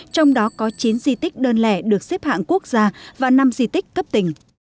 trong đó có chín di tích đơn lẻ được xếp hạng quốc gia và năm di tích cấp tỉnh